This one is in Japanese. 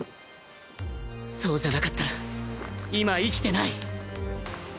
そうじゃなかったら今生きてない